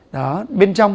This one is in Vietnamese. đó bên trong